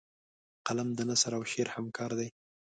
قلم د نثر او شعر همکار دی